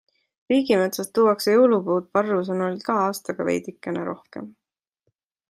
Riigimetsast tuuakse jõulupuud Parro sõnul iga aastaga veidikene rohkem.